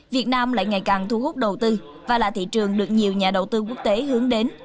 việt nam lại ngày càng thu hút đầu tư và là thị trường được nhiều nhà đầu tư quốc tế hướng đến